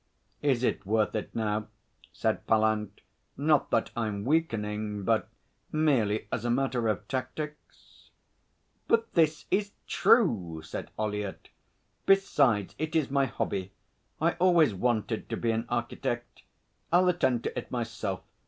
'Is it worth it now?' said Pallant. 'Not that I'm weakening, but merely as a matter of tactics?' 'But this is true,' said Ollyett. 'Besides, it is my hobby, I always wanted to be an architect. I'll attend to it myself.